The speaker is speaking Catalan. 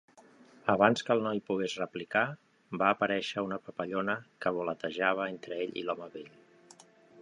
Abans que el noi pogués replicar, va aparèixer una papallona, que voletejava entre ell i l'home vell.